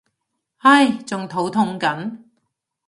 唉仲肚痛緊